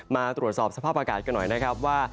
มาตรวจสอบสภาพอากาศกันหน่อยนะครับว่า